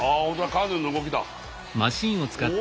カヌーの動きだ。